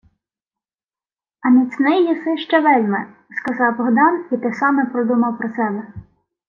— А міцний єси ще вельми, — сказав Богдан, і те саме подумав про себе.